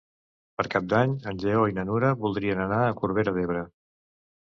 Per Cap d'Any en Lleó i na Nura voldrien anar a Corbera d'Ebre.